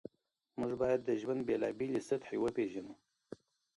موږ باید د ژوند بېلابېلې سطحې وپېژنو.